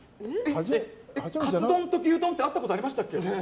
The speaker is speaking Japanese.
かつ丼と牛丼って会ったことありましたっけ。